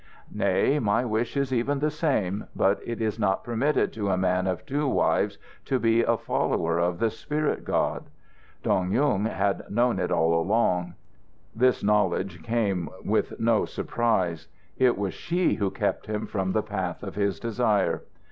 "Nay, my wish is even the same, but it is not permitted to a man of two wives to be a follower of the spirit God." Dong Yung had known it all along. This knowledge came with no surprise. It was she who kept him from the path of his desire!